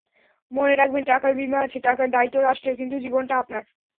মনে রাখবেন, টাকার বিমা আছে, টাকার দায়িত্ব রাষ্ট্রের, কিন্তু জীবনটা আপনার।